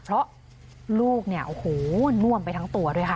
เพราะลูกเนี่ยโอ้โหน่วมไปทั้งตัวด้วยค่ะ